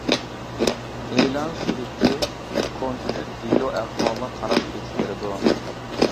ئېلان سۈرۈكى كونكرېت دېلو ئەھۋالىغا قاراپ بېكىتىلىدۇ.